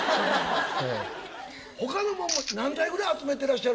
他のも何体ぐらい集めてらっしゃるんですか？